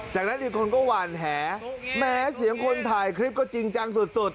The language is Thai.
จากนั้นอีกคนก็หวานแหมเสียงคนถ่ายคลิปก็จริงจังสุด